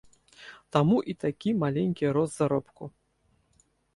Таму і такі маленькі рост заробку.